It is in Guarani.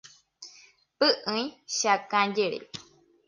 Py'ỹi cheakãjere.